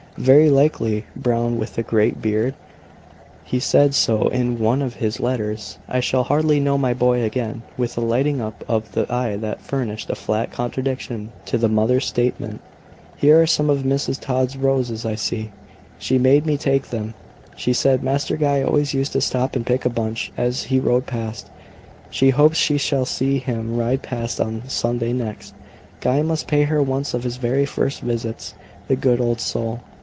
"Very likely. Brown, with a great beard; he said so in one of his letters. I shall hardly know my boy again." With a lighting up of the eye that furnished a flat contradiction to the mother's statement. "Here are some of Mrs. Tod's roses, I see." "She made me take them. She said Master Guy always used to stop and pick a bunch as he rode past. She hopes she shall see him ride past on Sunday next. Guy must pay her one of his very first visits; the good old soul!"